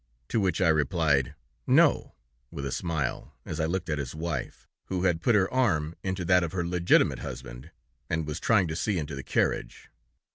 To which I replied, 'No,' with a smile, as I looked at his wife, who had put her arm into that of her legitimate husband, and was trying to see into the carriage.